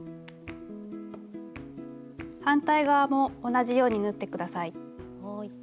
反対側も同じように縫って下さい。